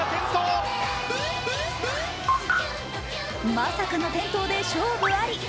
まさかの転倒で勝負あり。